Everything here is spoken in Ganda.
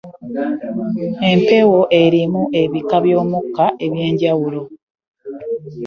Empewo erimu ebika by'omukka ebyenjawulo .